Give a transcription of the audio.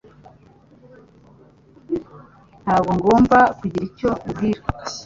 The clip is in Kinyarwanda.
Ntabwo ngomba kugira icyo nkubwira